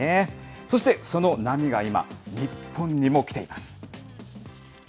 そしてこの波が今、日本にも来ています。